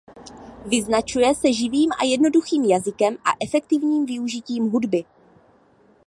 Vyznačuje se živým a jednoduchým jazykem a efektivním využitím hudby.